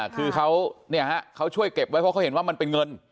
คือเขาช่วยเก็บไว้เพราะเขาเห็นว่ามันเป็นเงิน